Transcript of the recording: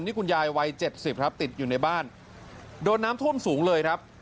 นี่คุณยายวัย๗๐ครับติดอยู่ในบ้านโดนน้ำท่วมสูงเลยครับ